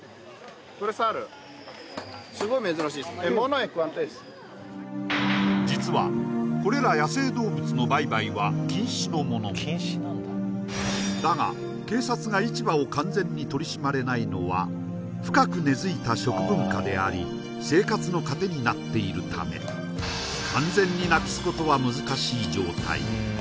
これサル実はこれら野生動物の売買は禁止のものもだが警察が市場を完全に取り締まれないのは深く根付いた食文化であり生活の糧になっているため完全になくすことは難しい状態